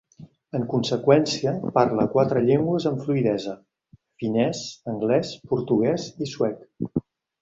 En conseqüència, parla quatre llengües amb fluïdesa: finès, anglès, portuguès i suec.